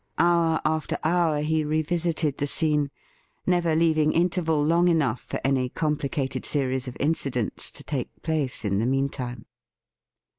Hour after hour he revisited the scene, never leaving interval long enough for any complicated series of incidents to take place in the meantime.